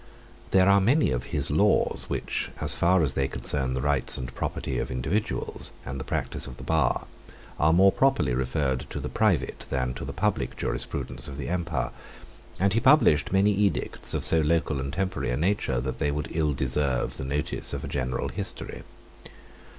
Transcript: There are many of his laws, which, as far as they concern the rights and property of individuals, and the practice of the bar, are more properly referred to the private than to the public jurisprudence of the empire; and he published many edicts of so local and temporary a nature, that they would ill deserve the notice of a general history.